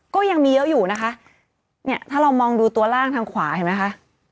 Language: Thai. ก็ยังมีเยอะอยู่นะคะเนี่ยถ้าเรามองดูตัวล่างทางขวาเห็นไหมคะ